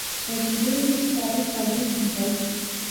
مجیدیں اس ساری کہاںی سمجھائی